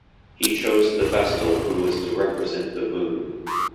He chose the Vestal who was to represent the Moon.